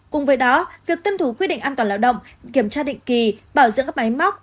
cùng với đó việc tuân thủ quy định an toàn lao động kiểm tra định kỳ bảo dưỡng máy móc